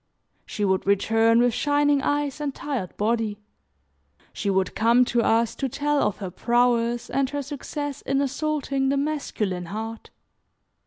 She would return with shining eyes and tired body; she would come to us to tell of her prowess, and her success in assaulting the masculine heart.